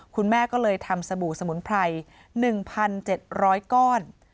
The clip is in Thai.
คุณแม่ก็เลยทำสบู่สมุนไพร๑๗๐๐ก้อน